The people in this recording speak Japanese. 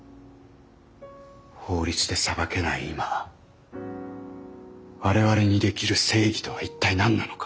法律で裁けない今我々にできる正義とは一体何なのか。